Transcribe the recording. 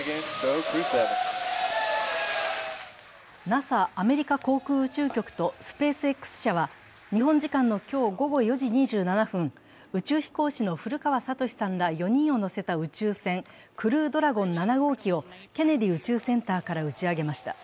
ＮＡＳＡ＝アメリカ航空宇宙局とスペースＸ社は、日本時間の今日午後４時２７分、宇宙飛行士の古川聡さんら４人を乗せた宇宙船、「クルードラゴン７号機」をケネディ宇宙センターから打ち上げました。